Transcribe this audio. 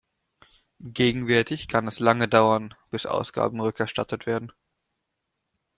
Gegenwärtig kann es lange dauern, bis Ausgaben rückerstattet werden.